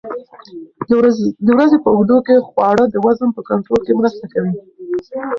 د ورځې په اوږدو کې خواړه د وزن په کنټرول کې مرسته کوي.